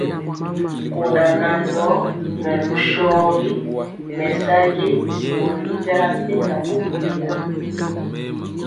Kora nan ndɔɔ melu shorgi mesayeg mori i jala penja bubuli ya.